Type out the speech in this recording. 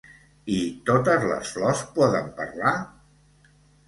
I totes les flors poden parlar?